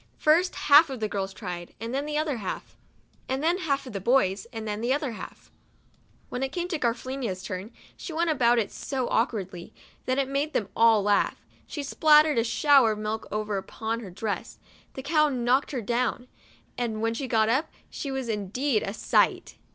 First, half of the girls tried, and then the other 72 MEMOIRS OF A half; and then half of the boys, and then the other half. "When it came Garafelina's turn, she went about it so awkwardly, that it made them all laugh. She spattered a shower of milk over upon her dress ; the cow knocked her .down ; and when she got up, she was indeed a sight